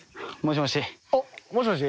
もしもし？